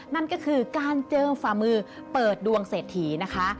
นั่นก็คือการเจิมฝ่ามือเปิดดวงเศรษฐีนะคะ